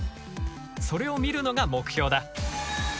それを見るのが目標だ。